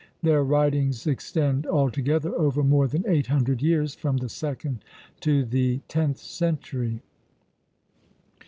Their writings extend altogether over more than eight hundred years, from the second to the tenth century.